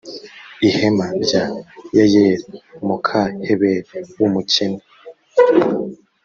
ihema rya yayeli muka heberi w’umukeni